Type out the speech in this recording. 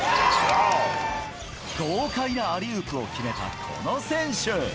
豪快なアリウープを決めたこの選手。